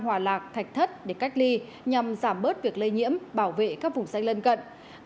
hòa lạc thạch thất để cách ly nhằm giảm bớt việc lây nhiễm bảo vệ các vùng xanh lân cận